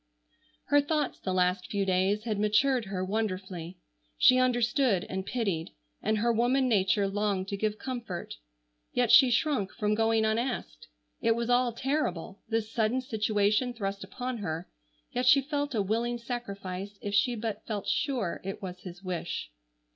Her thoughts the last few days had matured her wonderfully. She understood and pitied, and her woman nature longed to give comfort, yet she shrunk from going unasked. It was all terrible, this sudden situation thrust upon her, yet she felt a willing sacrifice if she but felt sure it was his wish.